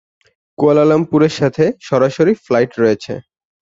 কুয়ালালামপুরের সাথে সরাসরি ফ্লাইট রয়েছে।